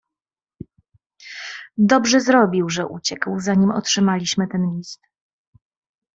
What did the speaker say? "Dobrze zrobił, że uciekł, zanim otrzymaliśmy ten list."